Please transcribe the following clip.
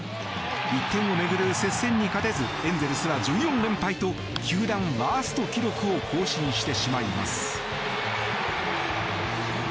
１点を巡る接戦に勝てずエンゼルスは１４連敗と球団ワースト記録を更新してしまいます。